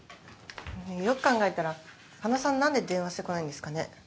よく考えたら狩野さん何で電話して来ないんですかね？